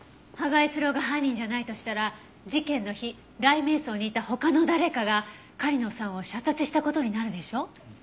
芳賀悦郎が犯人じゃないとしたら事件の日雷冥荘にいた他の誰かが狩野さんを射殺した事になるでしょ？